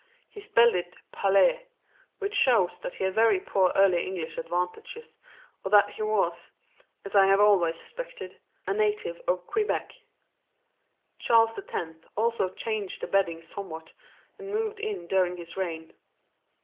He spelled it "palais," which shows that he had very poor early English advantages, or that he was, as I have always suspected, a native of Quebec. Charles X also changed the bedding somewhat, and moved in during his reign.